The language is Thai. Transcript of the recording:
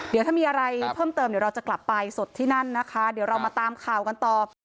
เดี๋ยวถ้ามีอะไรเพิ่มเติมเดี๋ยวเราจะกลับไปสดที่นั่นนะคะเดี๋ยวเรามาตามข่าวกันต่อ